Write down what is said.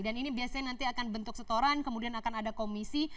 dan ini biasanya nanti akan bentuk setoran kemudian akan ada komisi